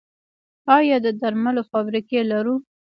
آیا د درملو فابریکې لرو؟